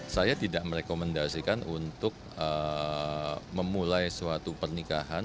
saya tidak merekomendasikan untuk memulai suatu pernikahan